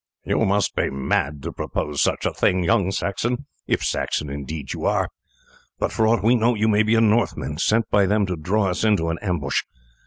"You must be mad to propose such a thing, young Saxon, if Saxon indeed you are, but for aught we know you may be a Northman sent by them to draw us into an ambush.